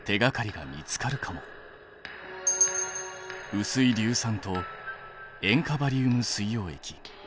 うすい硫酸と塩化バリウム水溶液。